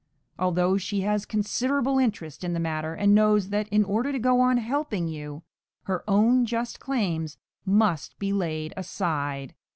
although she has considerable interest in the matter, and knows that, in order to go on helping you, her own just claims must be laid aside.